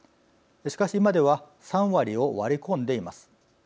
しかし今では３割を割り込んでいます。